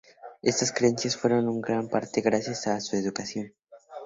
Estas creencias fueron en gran parte gracias a su educación.